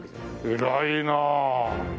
偉いなあ。